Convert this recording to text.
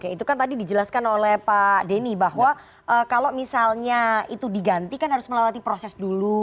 itu kan tadi dijelaskan oleh pak denny bahwa kalau misalnya itu diganti kan harus melewati proses dulu